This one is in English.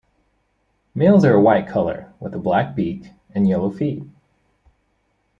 Males are a white color, with a black beak, and yellow feet.